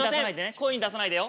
声に出さないでよ。